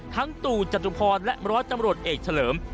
ตู่จตุพรและร้อยตำรวจเอกเฉลิม